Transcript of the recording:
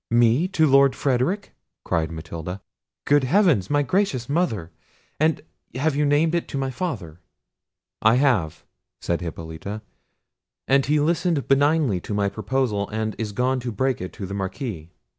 "Me to Lord Frederic!" cried Matilda; "good heavens! my gracious mother—and have you named it to my father?" "I have," said Hippolita; "he listened benignly to my proposal, and is gone to break it to the Marquis."